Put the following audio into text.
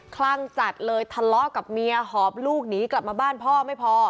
คลั่งจัดเลยทะเลาะกับเมียหอบลูกหนีกลับมาบ้านพ่อไม่พอ